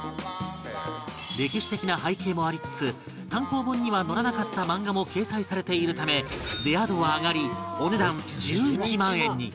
歴史的な背景もありつつ単行本には載らなかった漫画も掲載されているためレア度は上がりお値段１１万円に